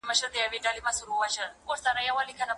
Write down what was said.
ټول ځوانان په چکر وتلي دي.